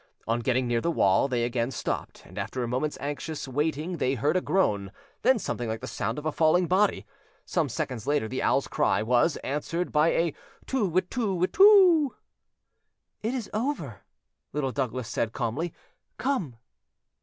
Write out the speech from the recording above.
On getting near the wall, they again stopped, and after a moment's anxious waiting they heard a groan, then something like the sound of a falling body. Some seconds later the owl's cry was—answered by a tu whit tu whoo. "It is over," Little Douglas said calmly; "come."